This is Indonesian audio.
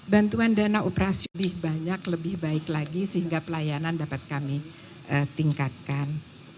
bantuan dana operasi lebih banyak lebih baik lagi sehingga pelayanan dapat kami tingkatkan